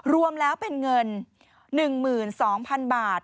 รวมแล้วเป็นเงิน๑๒๐๐๐บาท